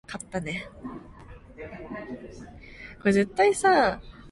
아마도 그 학교 기숙사에 있는 이로 동기방학을 이용하여 귀향하려 함이리라.